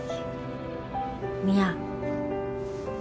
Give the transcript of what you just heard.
宮。